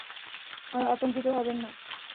আতঙ্কিত হবেন না।